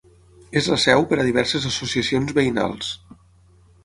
És la seu per a diverses associacions veïnals.